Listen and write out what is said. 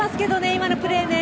今のプレーね。